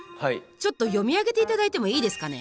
ちょっと読み上げていただいてもいいですかね？